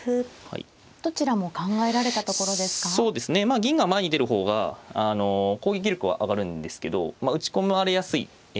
銀が前に出る方が攻撃力は上がるんですけど打ち込まれやすい。